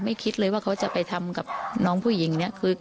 คิดเลยว่าเขาจะไปทำกับน้องผู้หญิงเนี่ย